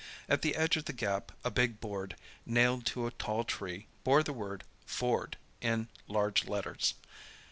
At the edge of the gap a big board, nailed to a tall tree, bore the word FORD in large letters.